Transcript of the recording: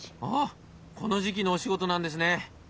ああこの時期のお仕事なんですね。